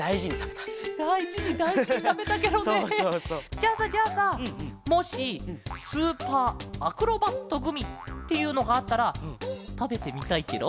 じゃあさじゃあさもしスーパーアクロバットグミっていうのがあったらたべてみたいケロ？